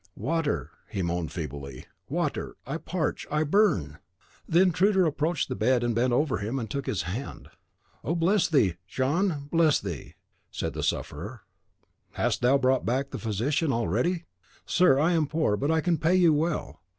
"Water," he moaned feebly, "water: I parch, I burn!" The intruder approached the bed, bent over him, and took his hand. "Oh, bless thee, Jean, bless thee!" said the sufferer; "hast thou brought back the physician already? Sir, I am poor, but I can pay you well.